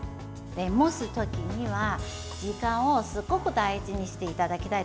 蒸す時には時間をすごく大事にしていただきたい。